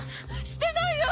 してないよ！